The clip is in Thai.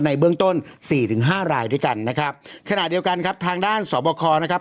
ในเบื้องต้นสี่ถึงห้ารายด้วยกันนะครับขณะเดียวกันครับทางด้านสอบคอนะครับ